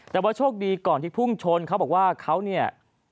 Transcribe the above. แต่ว่าโชคดีก่อนที่พุ่งชนเขาบอกว่าเขาเนี่ย